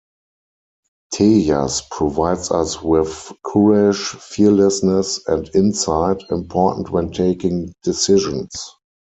Tejas provides us with courage, fearlessness and insight, important when taking decisions.